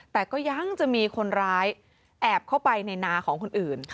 แต่ก็ยังจะมีคนร้ายแอบเข้าไปในนาของคนอื่น